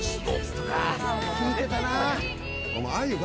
聴いてたな。